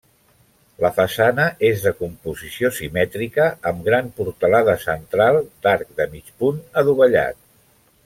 La façana és de composició simètrica amb gran portalada central d'arc de mig punt adovellat.